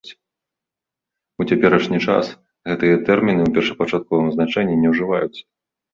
У цяперашні час гэтыя тэрміны ў першапачатковым значэнні не ўжываюцца.